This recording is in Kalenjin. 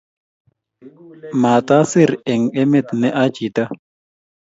Matasir eng' emet ne achi too